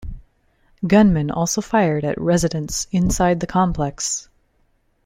Gunmen also fired at residents inside the complex.